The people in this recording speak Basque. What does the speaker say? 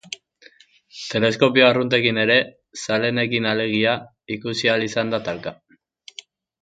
Teleskopio arruntekin ere, zaleenekin alegia, ikusi ahal izan da talka.